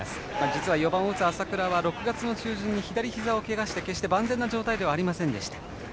実は４番を打つ浅倉は６月中旬に左ひざをけがして決して万全な状態ではありませんでした。